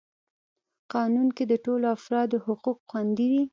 قانون کي د ټولو افرادو حقوق خوندي وي.